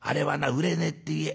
売れねえって言え。